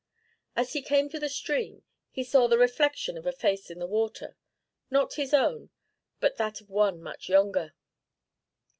As he came to the stream, he saw the reflection of a face in the water not his own, but that of one much younger.